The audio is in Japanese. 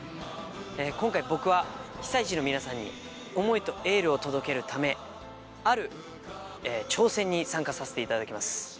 今回僕は被災地の皆さんに思いとエールを届けるためある挑戦に参加させていただきます。